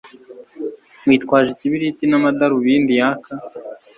Yitwaje ikibiriti namadarubindi yaka